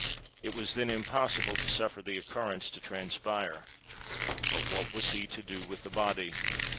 It was, then, impossible to suffer the occurrence to transpire. But what was he to do with the body?